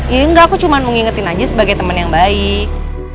iya gak aku cuma mengingetin aja sebagai temen yang baik